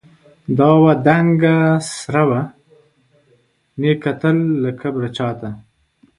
دا وه دنګه سروه، نې کتل له کبره چاته